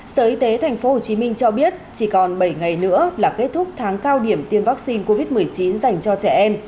sở y tế tp hcm cho biết chỉ còn bảy ngày nữa là kết thúc tháng cao điểm tiêm vaccine covid một mươi chín dành cho trẻ em